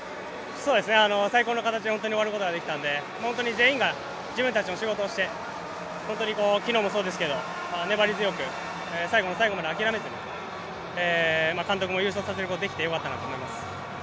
最高の形で終わることができたんで、本当に全員が自分たちの仕事をして、昨日もそうですけど粘り強く最後の最後まで諦めずに監督も優勝させることができて良かったと思います。